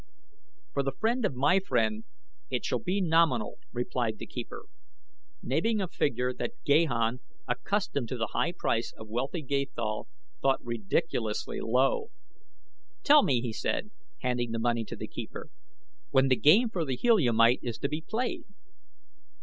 "For the friend of my friend it shall be nominal," replied the keeper, naming a figure that Gahan, accustomed to the high price of wealthy Gathol, thought ridiculously low. "Tell me," he said, handing the money to the keeper, "when the game for the Heliumite is to be played."